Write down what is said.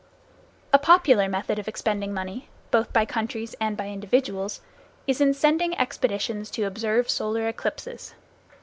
A popular method of expending money, both by countries and by individuals, is in sending expeditions to observe solar eclipses.